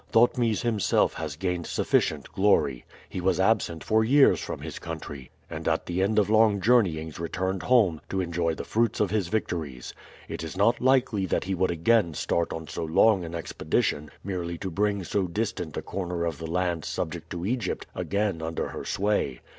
Thotmes himself has gained sufficient glory. He was absent for years from his country, and at the end of long journeyings returned home to enjoy the fruits of his victories. It is not likely that he would again start on so long an expedition merely to bring so distant a corner of the land subject to Egypt again under her sway.